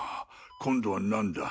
今度は何だ？